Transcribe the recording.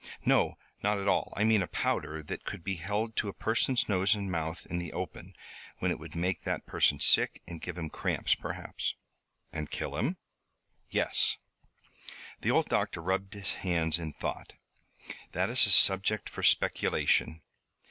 "No, not at all. I mean a powder that could be held to a person's nose and mouth in the open, when it would make that person sick and give him cramps perhaps." "And kill him?" "Yes." The old doctor rubbed his hands in thought. "That is a subject for speculation.